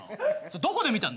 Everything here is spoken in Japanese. どこで見たの？